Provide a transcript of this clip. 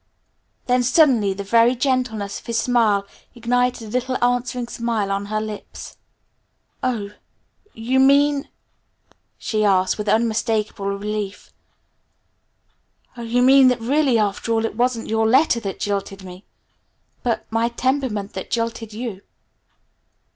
Then suddenly the very gentleness of his smile ignited a little answering smile on her lips. "Oh, you mean," she asked with unmistakable relief; "oh, you mean that really after all it wasn't your letter that jilted me, but my temperament that jilted you?"